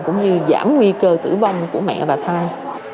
cũng như giảm nguy cơ tử vong của mẹ và thân